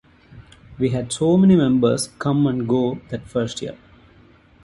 We had so many members come and go that first year.